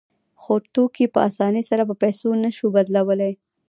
خو توکي په اسانۍ سره په پیسو نشو بدلولی